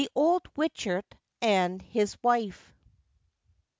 OLD WICHET AND HIS WIFE.